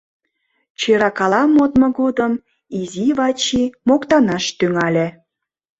Чӧракала модмо годым изи Вачи моктанаш тӱҥале...